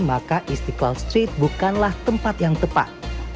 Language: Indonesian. maka istiqlal street bukanlah tempat yang tepat